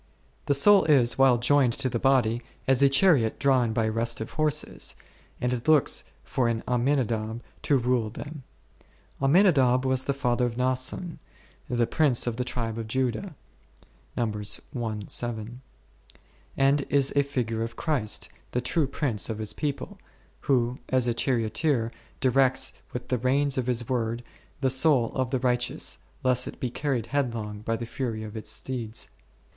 The soul is, while joined to the body, as a chariot drawn by restive horses, and it looks for an Amminadab to rule them. Amminadab was the father of Naasson, the prince of the tribe of Judah n , and is a figure of Christ the true prince of His people, who, as a charioteer, directs with the reins of His Word, the soul of the righteous, lest it be carried headlong by the fury of its steeds.